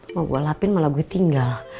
mau gue elapin malah gue tinggal